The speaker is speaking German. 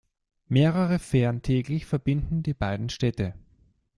Mehrere Fähren täglich verbinden die beiden Städte.